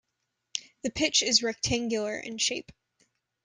The pitch is rectangular in shape.